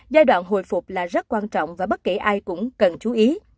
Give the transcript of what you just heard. giai đoạn hồi phục là rất quan trọng và bất kể ai cũng cần chú ý